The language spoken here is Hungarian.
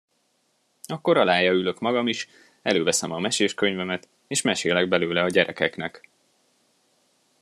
Akkor alája ülök magam is, előveszem a meséskönyvemet, és mesélek belőle a gyerekeknek.